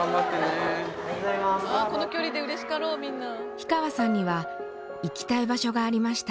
氷川さんには行きたい場所がありました。